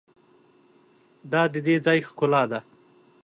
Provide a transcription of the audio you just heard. دا د دې ځای ښکلا ده.